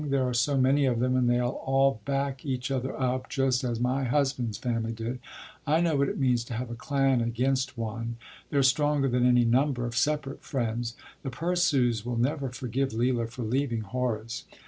There are so many of them, and they all back each other up, just as my husband’s family did. I know what it means to have a clan against one. They’re stronger than any number of separate friends. The Purshes will never forgive Leila for leaving Horace.